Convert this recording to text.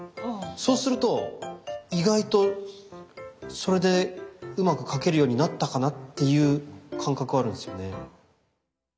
そうすると意外とそれでうまく描けるようになったかなっていう感覚あるんですよね。